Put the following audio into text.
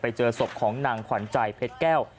เจอศพของนางขวัญใจเพชรแก้ว